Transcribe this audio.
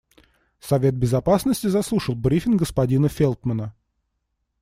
Совет Безопасности заслушал брифинг господина Фелтмана.